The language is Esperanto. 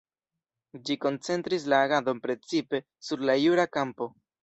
Ĝi koncentris la agadon precipe sur la jura kampo.